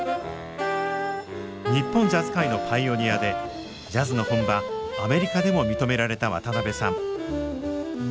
日本ジャズ界のパイオニアでジャズの本場アメリカでも認められた渡辺さん。